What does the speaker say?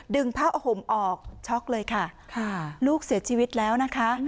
ผ้าห่มออกช็อกเลยค่ะค่ะลูกเสียชีวิตแล้วนะคะ